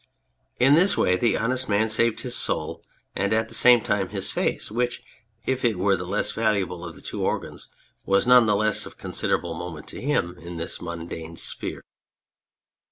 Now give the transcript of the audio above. In this way the Honest Man saved his soul and at the same time his face, which, if it were the less valuable of the two organs, was none the less of considerable moment to him in this mundane sphere.